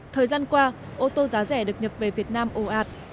thời gian qua ô tô giá rẻ được nhập về việt nam ồ ạt